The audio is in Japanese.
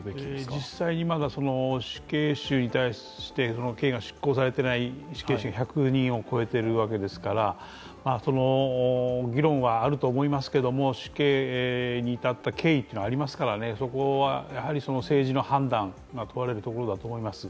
実際にまだ、死刑囚に対して刑が執行されていない死刑囚が１００人を超えているわけですから議論はあると思いますけれども、死刑に至った経緯がありますから、そこはやはり政治の判断が問われるところだと思います。